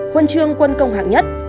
huân chương quân công hạng nhất